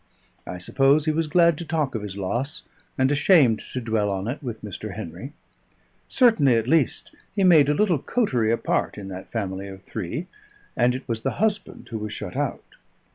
I suppose he was glad to talk of his loss, and ashamed to dwell on it with Mr. Henry. Certainly, at least, he made a little coterie apart in that family of three, and it was the husband who was shut out.